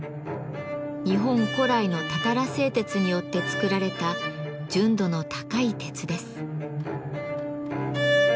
日本古来のたたら製鉄によって作られた純度の高い鉄です。